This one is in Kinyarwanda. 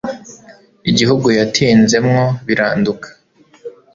Igihugu yatsinze mwo Biranduka